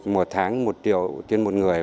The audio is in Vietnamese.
một tháng một triệu trên một người